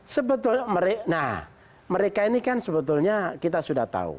sebetulnya mereka ini kan sebetulnya kita sudah tahu